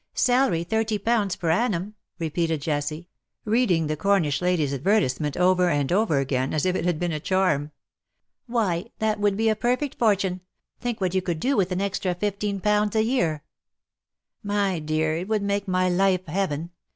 " Salary,, thirty pounds per annum," repeated Jessie, reading the Cornish lady's advertisement over and over again, as if it had been a charm; " why that would be a perfect fortune ; think what you could do with an extra fifteen pounds a year V' "Mj dear, it would make my life heaven.